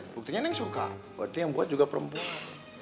buktinya ini suka berarti yang buat juga perempuan